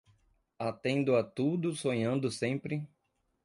Atendo a tudo sonhando sempre